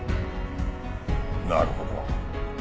なるほど。